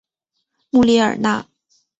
穆列尔讷。